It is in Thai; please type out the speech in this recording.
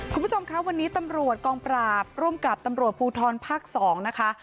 คุณผู้ชมคะวันนี้ตำรวจกองปราบร่วมกับตำรวจภูทรภาค๒นะคะ